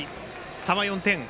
差は４点。